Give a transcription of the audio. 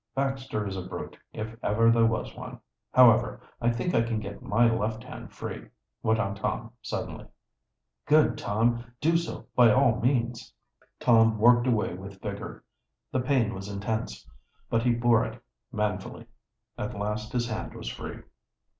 "Baxter is a brute, if ever there was one. However, I think I can get my left hand free," went on Tom suddenly. "Good, Tom! Do so by all means." Tom worked away with vigor. The pain was intense, but he bore it manfully. At last his hand was free.